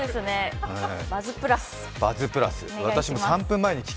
「バズプラス」